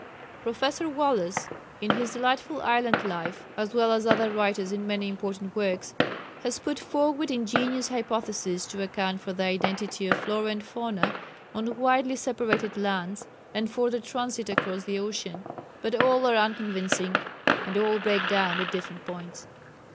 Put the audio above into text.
Professor Wallace in his delightful Island Life as well as other writers in many important works, have put forward ingenious hypotheses to account for the identity of flora and fauna on widely separated lands, and for their transit across the ocean, but all are unconvincing, and all break down at different points.